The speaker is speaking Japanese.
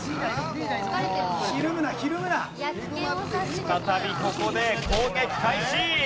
再びここで攻撃開始！